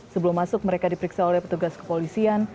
sebelum masuk mereka diperiksa oleh petugas kepolisian